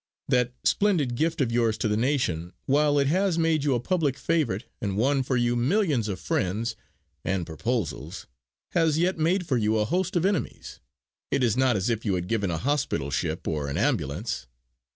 That splendid gift of yours to the nation, while it has made you a public favourite and won for you millions of friends and proposals has yet made for you a host of enemies. It is not as if you had given a hospital ship or an ambulance.